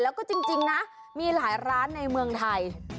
แล้วก็จริงนะมีหลายร้านในเมืองไทย